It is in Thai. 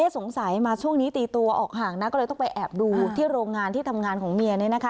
สงสัยมาช่วงนี้ตีตัวออกห่างนะก็เลยต้องไปแอบดูที่โรงงานที่ทำงานของเมีย